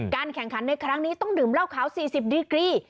แข่งขันในครั้งนี้ต้องดื่มเหล้าขาว๔๐ดีกรี